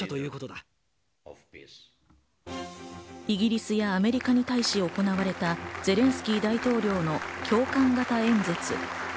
イギリスやアメリカに対し行われたゼレンスキー大統領の共感型演説。